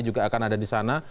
juga akan ada di sana